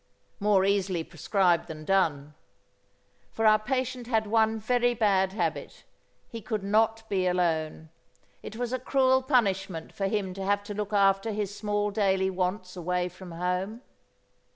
More easily prescribed than done. For our patient had one very bad habit: he could not be alone. It was a cruel punishment for him to have to look after his small daily wants away from home.